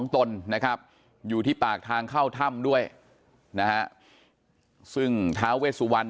ตนนะครับอยู่ที่ปากทางเข้าถ้ำด้วยนะฮะซึ่งท้าเวสุวรรณ